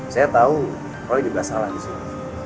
saya tahu roy juga salah disini